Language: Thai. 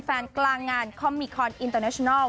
กลางงานคอมมิคอนอินเตอร์เนชินัล